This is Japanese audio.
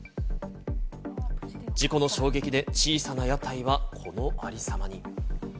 事故の衝撃で小さな屋台はこのありさまに。